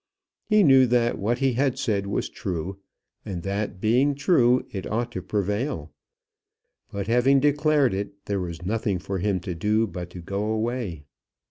He knew that what he had said was true, and that, being true, it ought to prevail; but, having declared it, there was nothing for him to do but to go away.